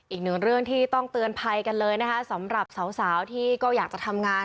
อีกหนึ่งเรื่องที่ต้องเตือนภัยกันเลยนะคะสำหรับสาวที่ก็อยากจะทำงาน